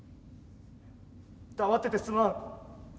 黙っててすまん。